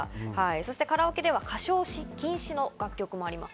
そしてカラオケでは歌唱禁止の楽曲があります。